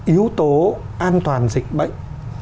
yếu tố an toàn dịch bệnh